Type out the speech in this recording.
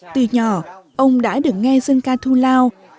từ nhỏ ông đã được nghe dân ca thu lao